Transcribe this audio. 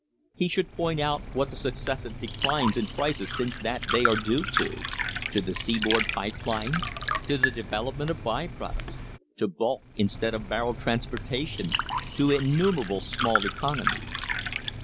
He should point out what the suc cessive declines in prices since that day are due to to the seaboard pipe lines, to the development of by products, to bulk instead of barrel transportation, to innumerable small economies.